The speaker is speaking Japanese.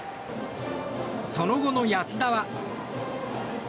その後の安田は。